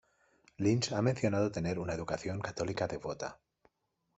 Lynch ha mencionado tener una educación católica devota.